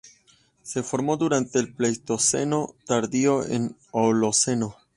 Se formó durante el Pleistoceno tardío u Holoceno.